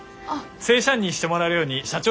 正社員にしてもらえるように社長に言いますから。